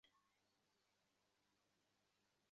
ইহারই জন্য মানুষ চেষ্টা করিতেছে।